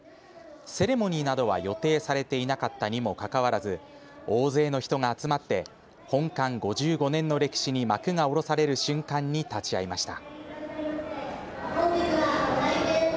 セレモニーなどは予定されていなかったにもかかわらず大勢の人が集まって本館５５年の歴史に幕が下ろされる瞬間に立ち会いました。